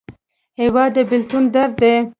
هېواد د بېلتون درد دی.